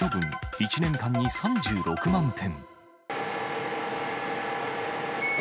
１年間に３６万点。